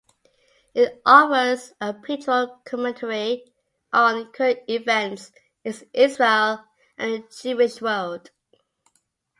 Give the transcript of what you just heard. It offers a pictorial commentary on current events in Israel and the Jewish world.